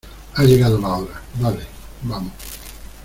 ha llegado la hora. vale, vamos .